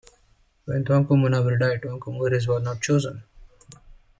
When Tuanku Munawir died, Tuanku Muhriz was not chosen.